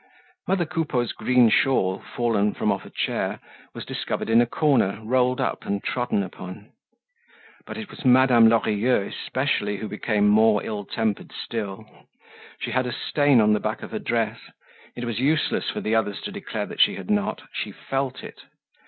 Mother Coupeau's green shawl, fallen from off a chair, was discovered in a corner, rolled up and trodden upon. But it was Madame Lorilleux especially who became more ill tempered still. She had a stain on the back of her dress; it was useless for the others to declare that she had not—she felt it.